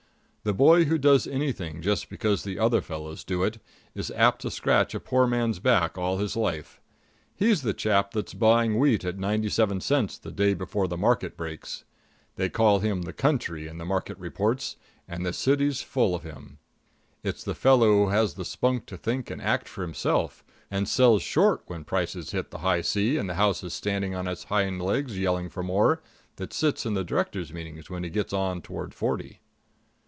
The boy who does anything just because the other fellows do it is apt to scratch a poor man's back all his life. He's the chap that's buying wheat at ninety seven cents the day before the market breaks. They call him "the country" in the market reports, but the city's full of him. It's the fellow who has the spunk to think and act for himself, and sells short when prices hit the high C and the house is standing on its hind legs yelling for more, that sits in the directors' meetings when he gets on toward forty.